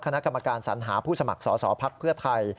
คณะกรรมการสัญหาผู้สมัครสอสอภักดิ์เพื่อไทย